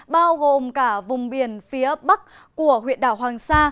bao gồm cả vùng biển phía bắc của huyện đảo hoàng sa